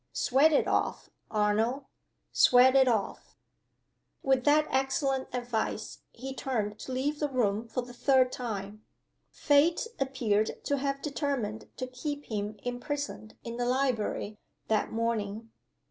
Sweat it off, Arnold! Sweat it off!" With that excellent advice, he turned to leave the room for the third time. Fate appeared to have determined to keep him imprisoned in the library, that morning.